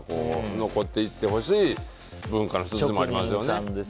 残っていってほしい文化の１つでもありますよね。